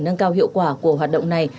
nâng cao hiệu quả của hoạt động này